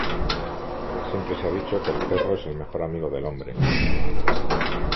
Siempre se ha dicho que le perro es el mejor amigo del hombre.